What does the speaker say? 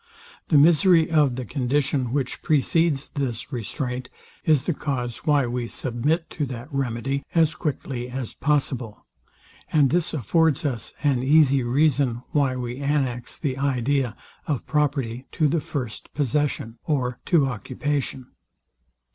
The misery of the condition, which precedes this restraint, is the cause why we submit to that remedy as quickly as possible; and this affords us an easy reason, why we annex the idea of property to the first possession, or to occupation.